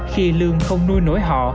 khi lương không nuôi nổi họ